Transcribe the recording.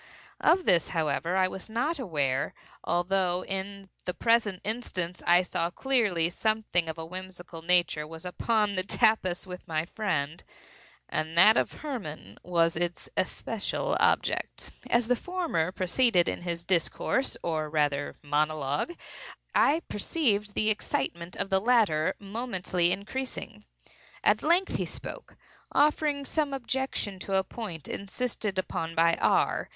Of this, however, I was not aware; although, in the present instance, I saw clearly that something of a whimsical nature was upon the tapis with my friend, and that Hermann was its especial object. As the former proceeded in his discourse, or rather monologue, I perceived the excitement of the latter momently increasing. At length he spoke; offering some objection to a point insisted upon by R.